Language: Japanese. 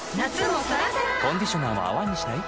コンディショナーも泡にしない？